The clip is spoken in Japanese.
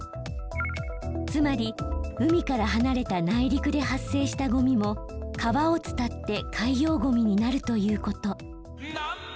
つまり海から離れた内陸で発生したゴミも川を伝って海洋ゴミになるということ。